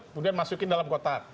kemudian masukin dalam kotak